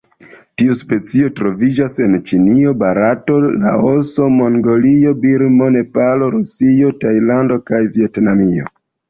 Tiu specio troviĝas en Ĉinio, Barato, Laoso, Mongolio, Birmo, Nepalo, Rusio, Tajlando kaj Vjetnamio.